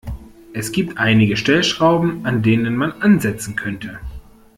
Es gibt einige Stellschrauben, an denen man ansetzen könnte.